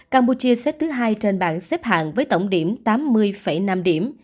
campuchia xếp thứ hai trên bảng xếp hạng với tổng điểm tám mươi năm điểm